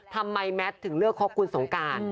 ทำไมแมทถึงเลือกครบคุณสงการ